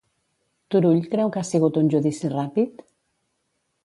Turull creu que ha sigut un judici ràpid?